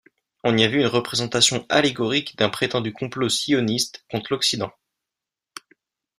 On y a vu une représentation allégorique d'un prétendu complot sioniste contre l'Occident.